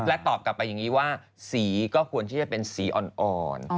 และตอบกลับไปอย่างนี้ว่าสีก็ควรที่จะเป็นสีอ่อน